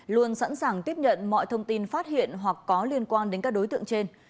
luôn sẵn sàng tiếp nhận mọi thông tin phát hiện hoặc có liên quan đến các đối tượng trên